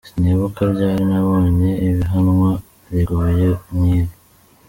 "Sinibuka ryari naboye ihiganwa rigoye nk'iri.